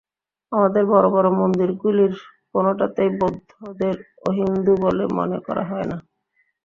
আমাদের বড় বড় মন্দিরগুলিরকোনটাতেই বৌদ্ধদের অহিন্দু বলে মনে করা হয় না।